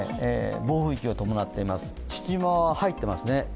暴風域を伴っています、父島は入っていますね。